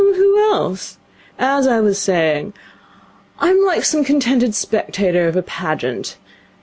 'Who else? As I was saying, I am like some contented spectator of a Pageant.